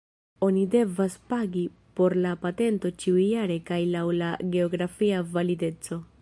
Oni devas pagi por la patento ĉiujare kaj laŭ la geografia valideco.